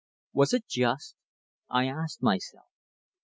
Was it just? I asked myself.